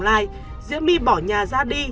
lai diễm my bỏ nhà ra đi